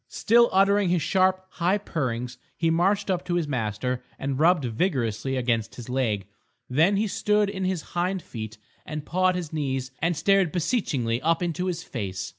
Still uttering his sharp high purrings he marched up to his master and rubbed vigorously against his legs. Then he stood on his hind feet and pawed his knees and stared beseechingly up into his face.